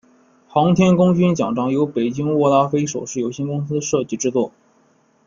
航天功勋奖章由北京握拉菲首饰有限公司设计制作。